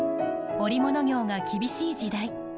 織物業が厳しい時代。